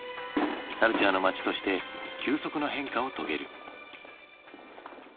カルチャーの街として急速な変化を遂げる。